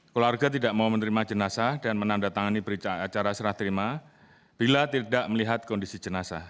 keluarga tidak mau menerima jenazah dan menandatangani acara serah terima bila tidak melihat kondisi jenazah